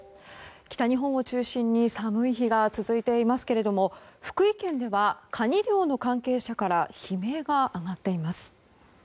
北日本を中心に寒い日が続いていますけど福井県ではカニ漁の関係者から悲鳴が上がっています。